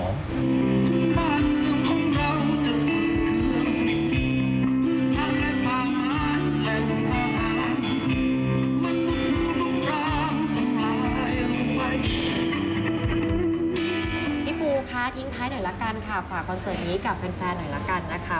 พี่ปูคะทิ้งท้ายหน่อยละกันค่ะฝากคอนเสิร์ตนี้กับแฟนหน่อยละกันนะคะ